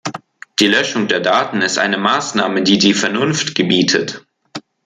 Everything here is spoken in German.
Die Löschung der Daten ist eine Maßnahme, die die Vernunft gebietet.